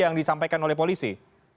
yang disampaikan oleh polisi